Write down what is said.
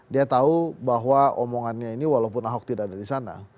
dia tahu bahwa omongannya ini walaupun ahok tidak ada di sana